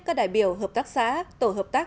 các đại biểu hợp tác xã tổ hợp tác